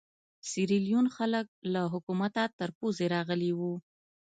سیریلیون خلک له حکومته تر پزې راغلي وو.